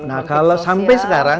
nah kalau sampai sekarang